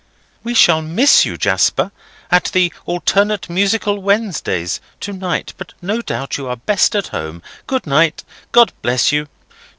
"We shall miss you, Jasper, at the 'Alternate Musical Wednesdays' to night; but no doubt you are best at home. Good night. God bless you!